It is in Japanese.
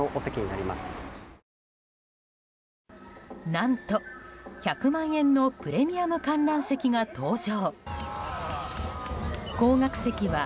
何と、１００万円のプレミアム観覧席が登場。